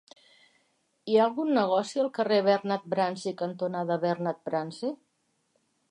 Hi ha algun negoci al carrer Bernat Bransi cantonada Bernat Bransi?